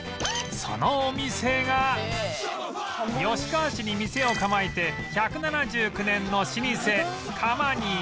そのお店が吉川市に店を構えて１７９年の老舗カマニ